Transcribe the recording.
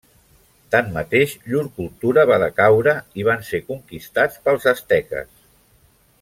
Tanmateix, llur cultura va decaure, i van ser conquistats pels asteques.